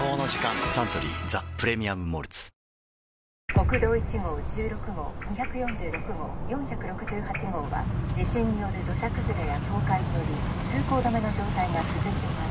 国道１号１６号２４６号４６８号は地震による土砂崩れや倒壊により通行止めの状態が続いています